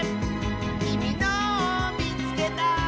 「きみのをみつけた！」